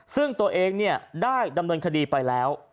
ซึ่งตัวเองได้ดำเนินคดีไปแล้ว